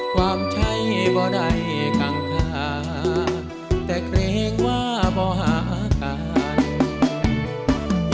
ความใช่บ่ได้กังคาแต่เกรงว่าบ่หาการ